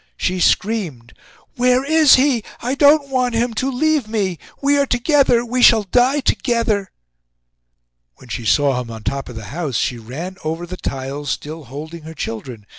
She screamed: "Where is he? I don't want him to leave me! We are together, we shall die together!" When she saw him on the top of the house she ran over the tiles, still holding her children.